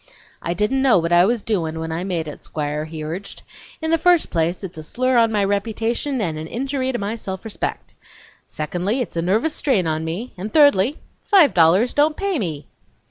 "I didn't know what I was doin' when I made it, Squire," he urged. "In the first place, it's a slur on my reputation and an injury to my self respect. Secondly, it's a nervous strain on me; and thirdly, five dollars don't pay me!"